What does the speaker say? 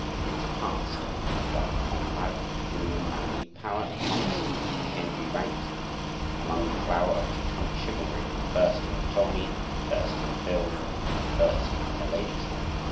Years passed. Young Konrad grew in manly power and promise, and came to be ranked among the flower of Teutonic chivalry, first in the tourney, first in the field, and first in the ladies' hall.